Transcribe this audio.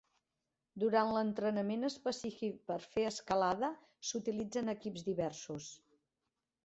Durant l'entrenament específic per fer escalada s'utilitzen equips diversos.